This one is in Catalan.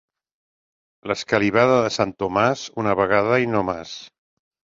L'escalivada de sant Tomàs, una vegada i no mas.